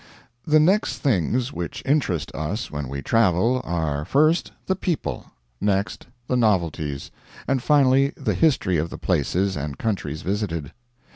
The next things which interest us when we travel are, first, the people; next, the novelties; and finally the history of the places and countries visited.